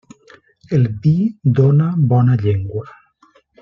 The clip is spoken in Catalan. El vi dóna bona llengua.